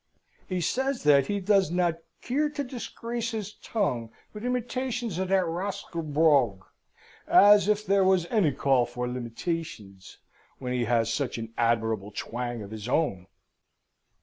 He says that he does not keer to disgreece his tongue with imiteetions of that rascal brogue. As if there was any call for imiteetions, when he has such an admirable twang of his own!